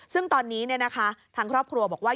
ซึ่งตอนนี้ทางครอบครัวบอกว่า